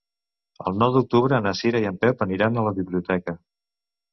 El nou d'octubre na Cira i en Pep aniran a la biblioteca.